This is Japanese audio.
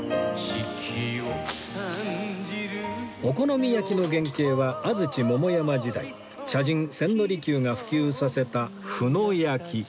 お好み焼きの原型は安土桃山時代茶人千利休が普及させた「麩の焼き」